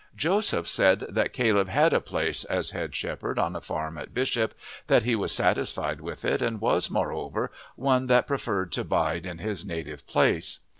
Joseph said that Caleb had a place as head shepherd on a farm at Bishop, that he was satisfied with it, and was, moreover, one that preferred to bide in his native place.